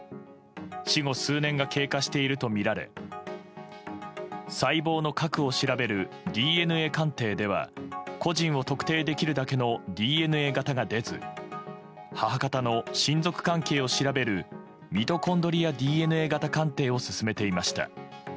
死後数年が経過しているとみられ細胞の核を調べるＤＮＡ鑑定では個人を特定できるだけのＤＮＡ型が出ず母方の親族関係を調べるミトコンドリアＤＮＡ型鑑定を進めていました。